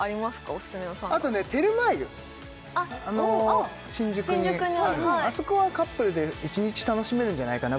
オススメのサウナあとねテルマー湯新宿にあるあそこはカップルで１日楽しめるんじゃないかな